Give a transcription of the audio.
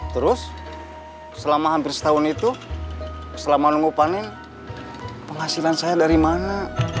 terus selama hampir setahun itu selama nunggu panen penghasilan saya dari mana